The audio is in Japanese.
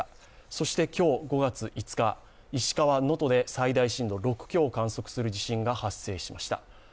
そして今日５月５日石川・能登で最大震度６強を観測地震が発生しました。